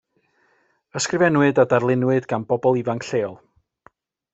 Ysgrifennwyd a darluniwyd gan bobl ifanc lleol.